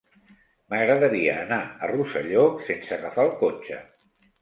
M'agradaria anar a Rosselló sense agafar el cotxe.